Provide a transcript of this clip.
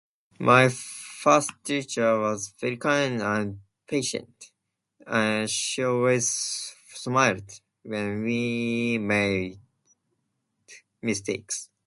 My first teacher was very kind and patient. And she always smiled when we made mistakes.